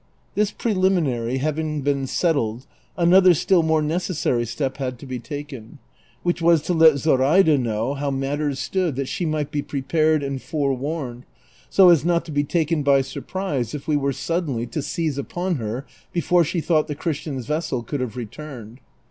This preliminary having been settled, anotiier still more necessary step had to be taken, which was to let Zoraida know how matters stood that she might be prepared and forewarned, so as not to be taken by surprise if we Avere suddenly to seize upon her before she thought the Christians' vessel could have returned.